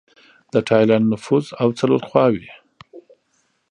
د ټایلنډ نفوس او څلور خواووې